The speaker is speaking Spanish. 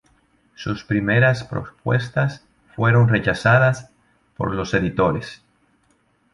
Sus primeras propuestas fueron rechazadas por los editores.